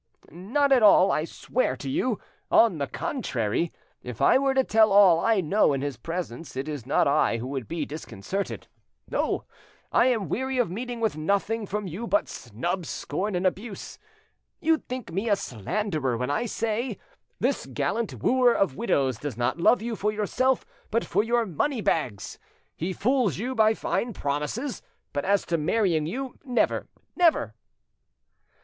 "Not at all, I swear to you. On the contrary, if I were to tell all I know in his presence, it is not I who would be disconcerted. Oh! I am weary of meeting with nothing from you but snubs, scorn, and abuse. You think me a slanderer when I say, 'This gallant wooer of widows does not love you for yourself but for your money bags. He fools you by fine promises, but as to marrying you—never, never!